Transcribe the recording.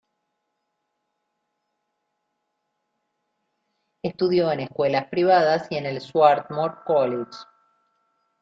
Estudió en escuelas privadas y en el Swarthmore College.